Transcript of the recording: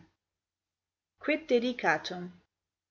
QUID DEDICATUM.